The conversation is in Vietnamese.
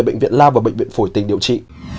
bệnh viện la và bệnh viện phổi tình điều trị